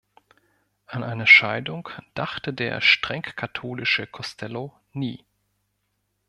An eine Scheidung dachte der streng katholische Costello nie.